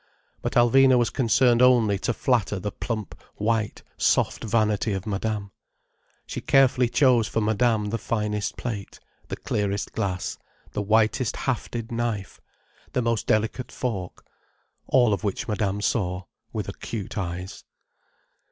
But Alvina was concerned only to flatter the plump, white, soft vanity of Madame. She carefully chose for Madame the finest plate, the clearest glass, the whitest hafted knife, the most delicate fork. All of which Madame saw, with acute eyes.